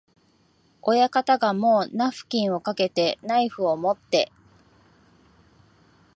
親方がもうナフキンをかけて、ナイフをもって、